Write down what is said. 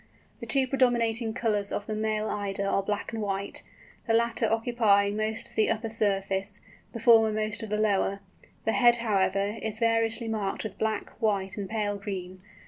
The two predominating colours of the male Eider are black and white, the latter occupying most of the upper surface, the former most of the lower; the head, however, is variously marked with black, white, and pale green.